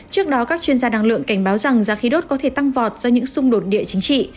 trước đó các chuyên gia năng lượng cảnh báo rằng giá khí đốt có thể tăng vọt do những xung đột địa chính trị